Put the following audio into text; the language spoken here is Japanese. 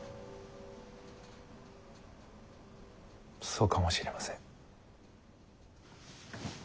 そうかもしれません。